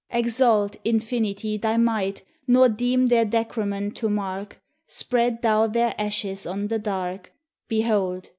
Exalt, Infinity, thy might, Nor deem their decrement to mark. Spread thou their ashes on the dark: Behold!